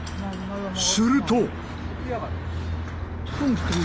すると。